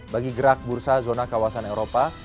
bagi gerak bursa zona kawasan eropa